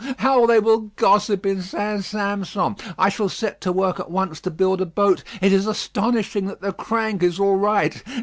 How they will gossip in St. Sampson. I shall set to work at once to build the boat. It is astonishing that the crank is all right.